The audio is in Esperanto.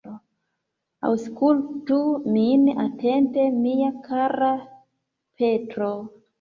Aŭskultu min atente, mia kara Petro.